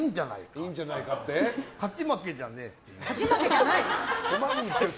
勝ち負けじゃねえって。